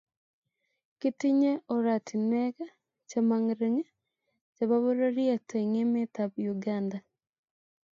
Kitinye oratinwek che mongering chebo pororiet eng emetab Uganda